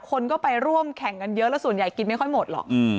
คนก็ไปร่วมแข่งกันเยอะแล้วส่วนใหญ่กินไม่ค่อยหมดหรอก